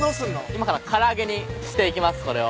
今から唐揚げにしていきますこれを。